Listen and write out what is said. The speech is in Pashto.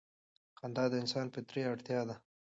خندا د انسان فطري اړتیا ده.